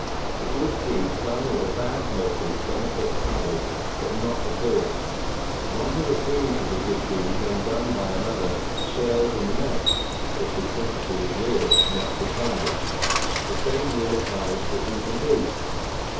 A good deed done with a bad motive benefits others, but not the doer. One who approves of a good deed when done by another shares in the merit, if his sympathy is real, not pretended. The same rule applies to evil deeds.